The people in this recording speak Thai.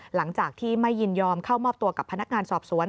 หลังจากที่ไม่ยินยอมเข้ามอบตัวกับพนักงานสอบสวน